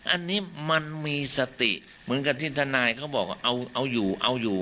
อันนี้มันมีสติเหมือนกับที่ทนายเขาบอกว่าเอาอยู่เอาอยู่